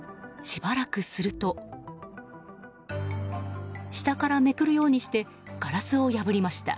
しばらくすると下からめくるようにしてガラスを破りました。